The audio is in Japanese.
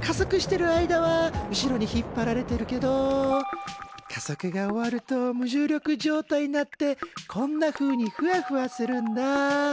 加速してる間は後ろに引っ張られてるけど加速が終わると無重力状態になってこんなふうにふわふわするんだ！